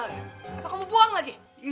kalau kamu buang lagi